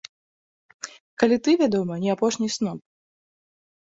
Калі ты, вядома, не апошні сноб.